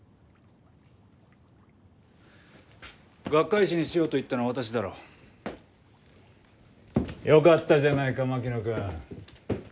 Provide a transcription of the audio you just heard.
学会誌にしようと言ったのは私だろう？よかったじゃないか槙野君。